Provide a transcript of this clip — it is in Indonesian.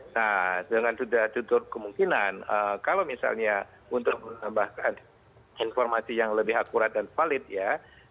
nah dengan sudah tutup kemungkinan kalau misalnya untuk menambahkan informasi yang lebih akurat dan valid ya